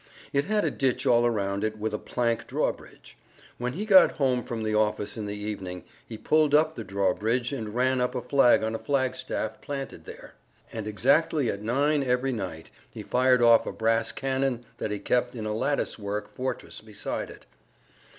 It had a ditch all around it with a plank drawbridge. When he got home from the office in the evening he pulled up the drawbridge and ran up a flag on a flagstaff planted there. And exactly at nine every night he fired off a brass cannon that he kept in a latticework fortress beside it.